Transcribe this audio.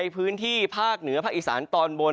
พื้นที่ภาคเหนือภาคอีสานตอนบน